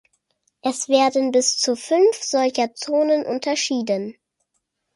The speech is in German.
Es werden bis zu fünf solcher Zonen unterschieden.